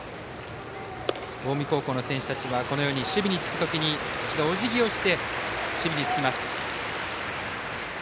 近江高校の選手たちは守備につく時に一度、おじぎをして守備につきます。